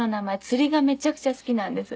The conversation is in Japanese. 釣りがめちゃくちゃ好きなんです。